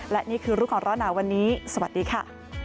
และนี่คือรู้ก่อนร้อนหนาวันนี้สวัสดีค่ะ